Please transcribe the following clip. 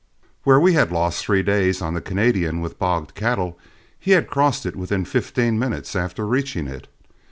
Where we had lost three days on the Canadian with bogged cattle, he had crossed it within fifteen minutes after reaching it.